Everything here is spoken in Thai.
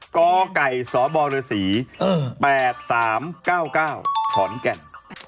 กไก่สบฤษี๘๓๙๙ขอนแก่น